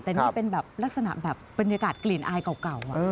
แต่นี่เป็นแบบลักษณะแบบบรรยากาศกลิ่นอายเก่า